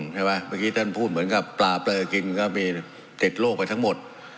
เมื่อกี้ท่านพูดเหมือนกับปลาเปลือกินก็มีติดโลกไปทั้งหมด